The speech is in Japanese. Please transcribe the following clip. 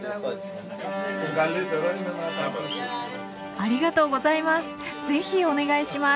ありがとうございます。